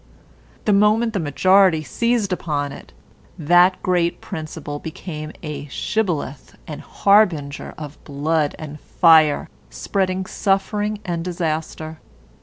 The moment the majority seized upon it, that great principle became a shibboleth and harbinger of blood and fire, spreading suffering and disaster.